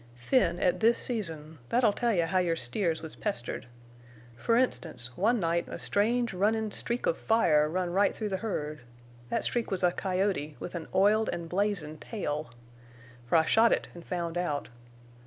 Thin at this season—thet'll tell you how your steers was pestered. Fer instance, one night a strange runnin' streak of fire run right through the herd. That streak was a coyote—with an oiled an' blazin' tail! Fer I shot it an' found out.